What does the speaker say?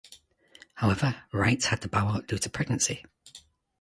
However, Wright had to bow out due to pregnancy.